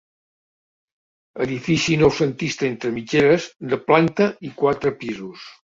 Edifici noucentista entre mitgeres, de planta i quatre pisos.